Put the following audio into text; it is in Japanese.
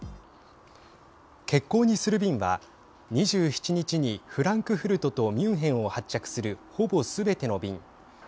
欠航にする便は２７日に、フランクフルトとミュンヘンを発着するほぼすべての便。